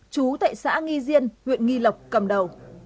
chú tại xã nghi diên huyện nghi lộc cầm đầu